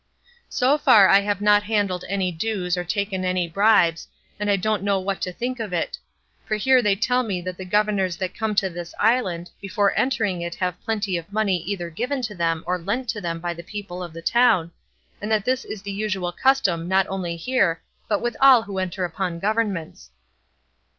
So far I have not handled any dues or taken any bribes, and I don't know what to think of it; for here they tell me that the governors that come to this island, before entering it have plenty of money either given to them or lent to them by the people of the town, and that this is the usual custom not only here but with all who enter upon governments.